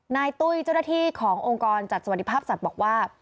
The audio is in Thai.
ตุ้ยเจ้าหน้าที่ขององค์กรจัดสวัสดิภาพสัตว์บอกว่า